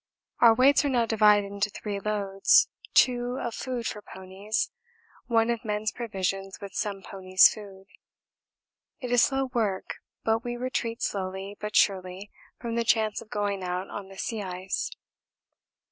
Our weights are now divided into three loads: two of food for ponies, one of men's provisions with some ponies' food. It is slow work, but we retreat slowly but surely from the chance of going out on the sea ice.